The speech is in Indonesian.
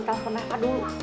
gue telepon nekah dulu